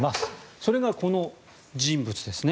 それがこの人物です。